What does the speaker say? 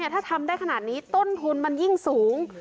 ถ้าทำได้ขนาดนี้ต้นทุนมันยิ่งสูง